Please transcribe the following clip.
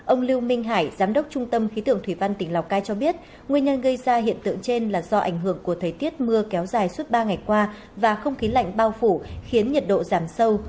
ông lưu minh hải giám đốc trung tâm khí tượng thủy văn tỉnh lào cai cho biết nguyên nhân gây ra hiện tượng trên là do ảnh hưởng của thời tiết mưa kéo dài suốt ba ngày qua và không khí lạnh bao phủ khiến nhiệt độ giảm sâu